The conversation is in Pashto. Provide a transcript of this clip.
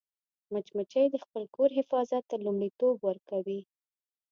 مچمچۍ د خپل کور حفاظت ته لومړیتوب ورکوي